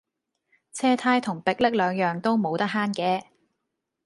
車呔同迫力兩樣都冇得慳嘅